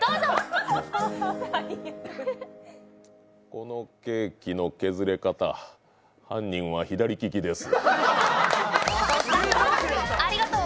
このケーキの削れ方、犯人は左利きです。